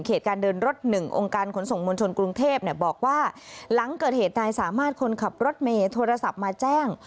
การเดินรถ๑องค์การขนส่งมวลชนกรุงเทพบอกว่าหลังเกิดเหตุนายสามารถคนขับรถเมย์โทรศัพท์มาแจ้ง